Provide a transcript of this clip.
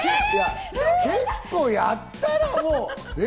結構やったろ、もう。